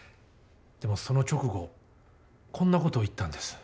でもその直後こんなこと言ったんです。